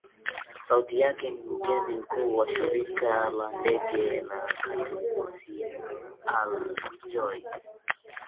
sauti yake mkurugenzi mkuu wa shirika la ndege la kantas alan joyce